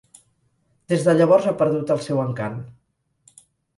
Des de llavors ha perdut el seu encant.